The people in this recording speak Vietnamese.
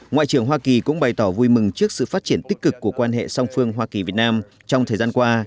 ngoại trưởng hoa kỳ cũng bày tỏ vui mừng trước sự phát triển tích cực của quan hệ song phương hoa kỳ việt nam trong thời gian qua